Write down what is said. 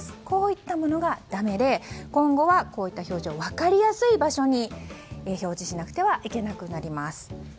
こういったものがだめで今後はこういった表示を分かりやすい場所に表示しなくてはいけなくなります。